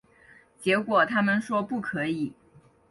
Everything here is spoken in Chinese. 结果他们说不可以